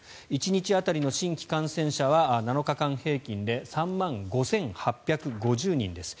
１日当たりの新規感染者は７日間平均で３万５８５０人です。